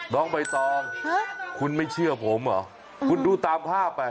น้องใบตองคุณไม่เชื่อผมเหรอคุณดูตามภาพไป